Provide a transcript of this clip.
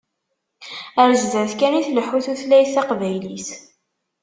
Ar zdat kan i tleḥḥu tutlayt taqbaylit.